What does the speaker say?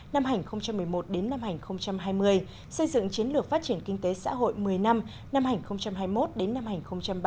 năm hành một mươi một đến năm hành hai mươi xây dựng chiến lược phát triển kinh tế xã hội một mươi năm năm hành hai mươi một đến năm hành ba mươi